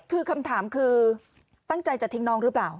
คือคำถามคือตั้งใจจะทิ้งน้องหรือเปล่า